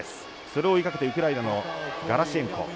それを追いかけてウクライナのガラシェンコ。